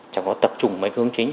trong đó tập trung mấy hướng chính